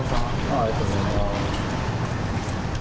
ありがとうございます。